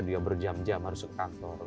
dia berjam jam harus ke kantor